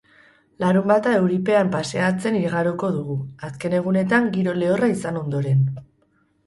Larunbata euripean paseatzen igaroko dugu, azken egunetan giro lehorra izan ondoren.